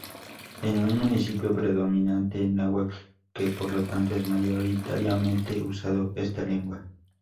Es un municipio predominantemente náhuatl que por lo tanto es mayoritariamente usado esta lengua.